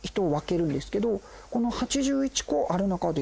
８１個ある中で。